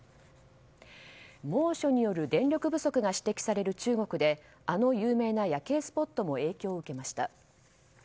猛暑による電力不足が指摘される中国であの有名な夜景スポットも影響を受けました。